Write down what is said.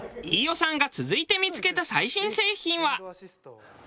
飯尾さんが続いて見付けた最新製品は。